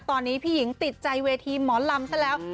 ตอนนี้พี่หญิงติดใจเวทีหมอลำซะแล้ว